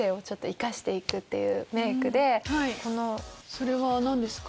それは何ですか？